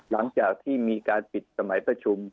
หลังจากที่มีการปิดสมัยประชุม